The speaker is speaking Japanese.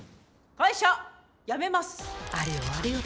会社辞めます。